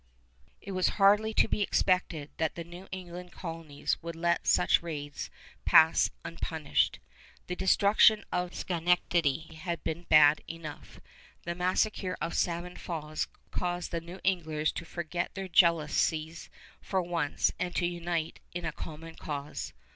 It was hardly to be expected that the New England colonies would let such raids pass unpunished. The destruction of Schenectady had been bad enough. The massacre of Salmon Falls caused the New Englanders to forget their jealousies for the once and to unite in a common cause.